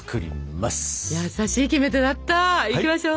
優しいキメテだった！いきましょう！